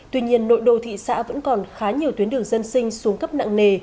tuy nhiên nội đô thị xã vẫn còn khá nhiều tuyến đường dân sinh xuống cấp nặng nề